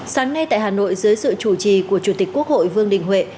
sáng nay tại hà nội dưới sự chủ trì của chủ tịch quốc hội vương đình huệ